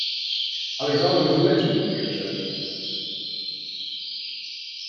Alexander was a legend during his own time.